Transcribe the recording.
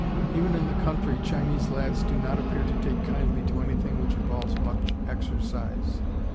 Even in the country Chinese lads do not appear to take kindly to anything which involves much exercise.